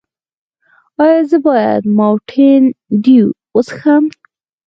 ایا زه باید ماونټین ډیو وڅښم؟